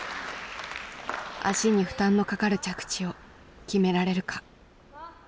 足に負担のかかる着地を決められるか。